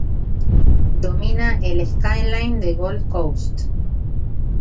Domina el "skyline" de Gold Coast.